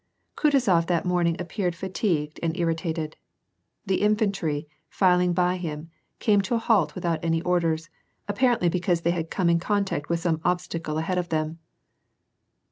Kutuaof that morning appeared fatigued and irritated. The infantnr, filing by him, came to a halt without any orders, apparently because they had come in contact with some obstacle ahead of them.